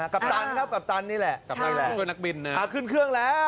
กัปตันเนี่ยแหละ